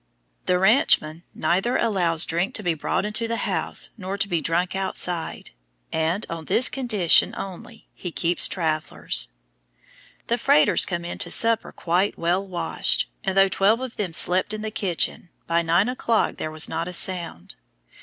The ranchman neither allows drink to be brought into the house nor to be drunk outside, and on this condition only he "keeps travelers." The freighters come in to supper quite well washed, and though twelve of them slept in the kitchen, by nine o'clock there was not a sound.